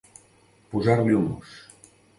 Posar-li un mos.